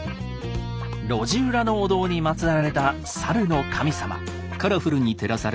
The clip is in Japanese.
路地裏のお堂に祀られたサルの神様。